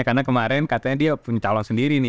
karena kemarin katanya dia calon sendiri